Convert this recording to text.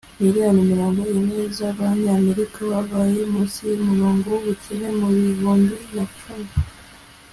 miliyoni mirongo ine z'abanyamerika babayeho munsi y'umurongo w'ubukene mu ibihumbi na cumi